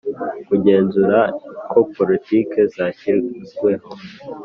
Kugenzura ko politiki zashyizweho